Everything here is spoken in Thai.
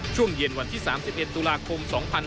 ช่วงเย็นวันที่๓๑ตุลาคม๒๕๕๙